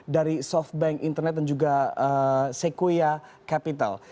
dari softbank internet dan juga sequa capital